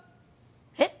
えっ？